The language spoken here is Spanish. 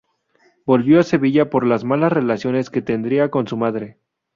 Volvió a Sevilla por las malas relaciones que tendría con su madre.